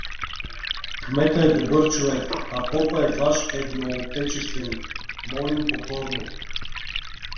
Кметът е добър човек, а попът е ваш едноотечественик… молим покорно.